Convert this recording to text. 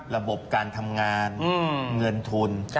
ระบบการทำงานเงินทุน